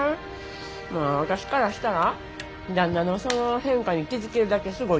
まあ私からしたら旦那のその変化に気付けるだけすごいと思うけどね。